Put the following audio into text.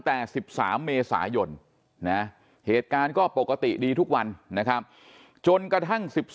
แต่๑๓เมษายนนะเหตุการณ์ก็ปกติดีทุกวันนะครับจนกระทั่ง๑๒